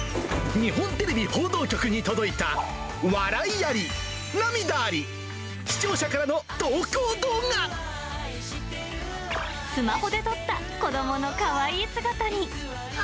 日本テレビ報道局に届いた、笑いあり、涙あり、スマホで撮った子どものかわいい姿に。